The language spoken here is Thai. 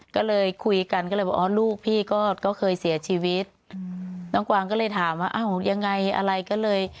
ก็เลยคุยกันก็เลยบอกอ๋อลูกพี่ก็เคยเสียชีวิตน้องกวางก็เลยถามว่าอ้าวยังไงอะไรก็เลย